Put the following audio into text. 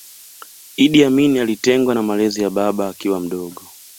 Iddi Amini alitengwa na malezi ya baba akiwa mdogo